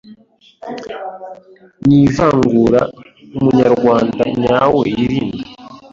n’ivangura Umunyarwanda nyawe yirinda,